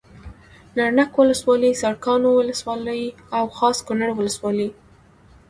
نرنګ ولسوالي سرکاڼو ولسوالي او خاص کونړ ولسوالي